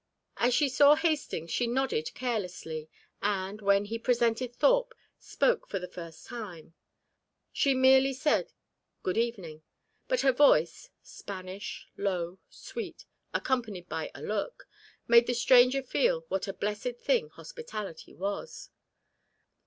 As she saw Hastings she nodded carelessly, and, when he presented Thorpe, spoke for the first time. She merely said "Good evening," but her voice, Spanish, low, sweet accompanied by a look made the stranger feel what a blessed thing hospitality was.